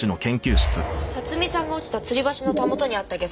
辰巳さんが落ちたつり橋のたもとにあったゲソ痕です。